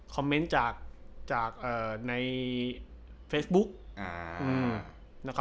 คอมเมนต์จากในเฟสบุ๊ค